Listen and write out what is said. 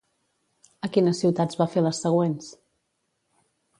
A quines ciutats va fer les següents?